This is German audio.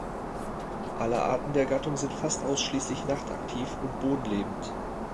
Alle Arten der Gattung sind fast ausschließlich nachtaktiv und bodenlebend.